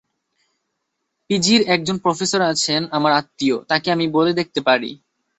পিজির একজন প্রফেসর আছেন, আমার আত্মীয়, তাঁকে আমি বলে দেখতে পারি।